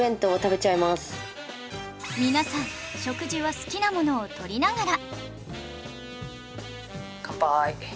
皆さん食事は好きなものを取りながら